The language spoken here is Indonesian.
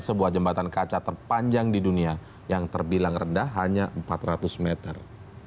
sebuah jembatan kaca terpanjang di dunia yang terbilang rendah hanya empat ratus meter